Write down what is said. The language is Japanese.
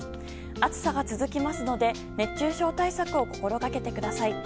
暑さが続きますので熱中症対策を心がけてください。